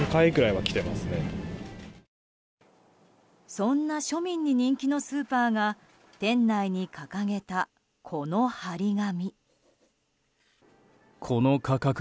そんな庶民に人気のスーパーが店内に掲げた、この貼り紙。